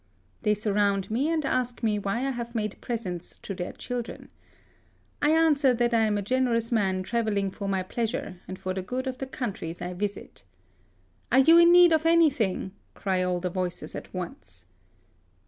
" They surround' me, and ask me why I have made presents to their children ? I answer that I am a generous man travelling for my pleasure and for the good of the countries I visit. * Are you in need of anything ?' cry all the voices at once.